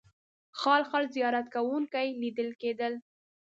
خال خال زیارت کوونکي لیدل کېدل.